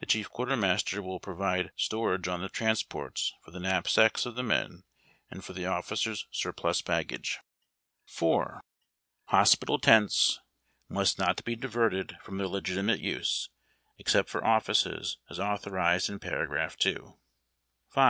The Chief Quartermaster will provide , storage on the transjjorts for the knapsacks of the men and for the officers' surplus baggage. 358 llABB TACK AND COFFEE. IV. Hospital tents must not be diverted from their legitimate nse, except for offices, as authorized in paragraph II. V.